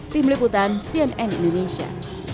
tim liputan cnn indonesia